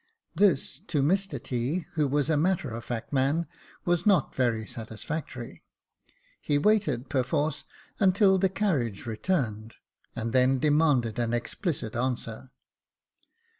This, to Mr T., who was a matter of fact man, was not very satisfactory ; he waited per force until the carriage returned, and then demanded an explicit answer.